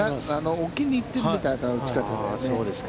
置きに行ってるみたいな打ち方。